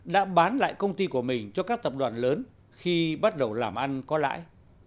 đã bán lại công ty của mình cho các tập đoàn lớn khi bắt đầu làm ăn có lãi